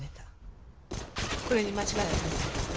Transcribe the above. これに間違いありませんか？